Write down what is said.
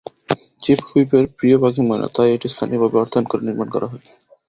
Chief হুইপের প্রিয় পাখি ময়না—তাই এটি স্থানীয়ভাবে অর্থায়ন করে নির্মাণ করা হয়।